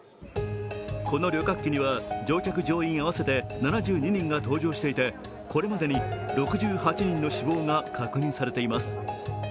この旅客機には乗客乗員合わせて７２人が搭乗していてこれまでに６８人の死亡が確認されています。